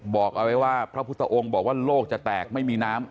บอกเอาไว้ว่าพระพุทธองค์บอกว่าโลกจะแตกไม่มีน้ำ